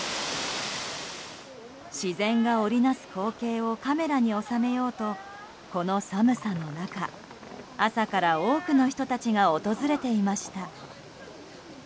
自然が織りなす光景をカメラに収めようとこの寒さの中朝から多くの人たちが訪れていました。